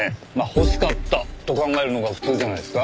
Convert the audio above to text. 欲しかったと考えるのが普通じゃないですか。